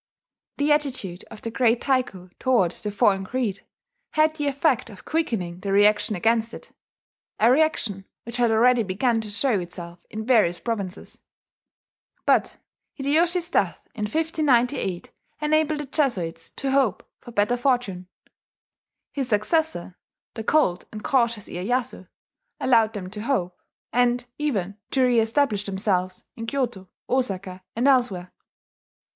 The attitude of the great Taiko toward the foreign creed had the effect of quickening the reaction against it, a reaction which had already begun to show itself in various provinces. But Hideyoshi's death in 1598 enabled the Jesuits to hope for better fortune. His successor, the cold and cautious Iyeyasu, allowed them to hope, and even to reestablish themselves in Kyoto, Osaka, and elsewhere.